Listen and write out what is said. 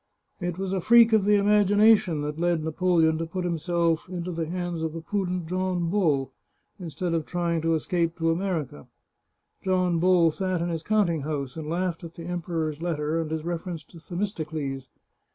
It was a freak of the imagination that led Napoleon to put himself into the hands of the prudent John Bull, in stead of trying to escape to America. John Bull sat in his counting house, and laughed at the Emperor's letter and his reference to Themistocles.